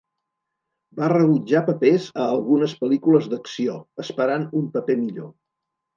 Va rebutjar papers a algunes pel·lícules d'acció, esperant un paper millor.